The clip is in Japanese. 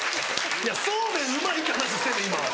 いやそうめんうまいって話してんの今は。